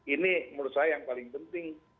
ini menurut saya yang paling penting